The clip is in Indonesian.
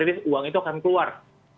jadi uang itu akan keluar